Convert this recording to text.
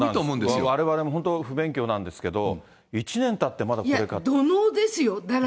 われわれも本当、不勉強なんですけど、１年たってまだこれかって。